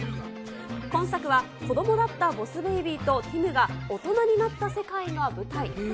今作は、子どもだったボス・ベイビーとティムが大人になった世界が舞台。